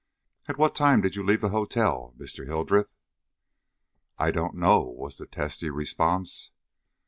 At what time did you leave the hotel, Mr. Hildreth?" "I don't know," was the testy response.